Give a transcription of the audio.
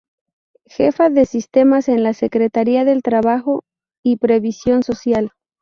Jefa de sistemas en la Secretaría del Trabajo y Previsión Social.